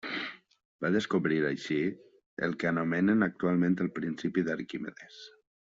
Va descobrir, així, el que anomenem actualment el principi d'Arquimedes.